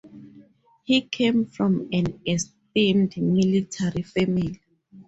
He came from an esteemed military family.